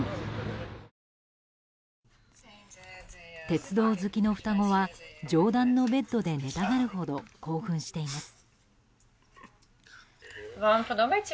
鉄道好きの双子は上段のベッドで寝たがるほど興奮しています。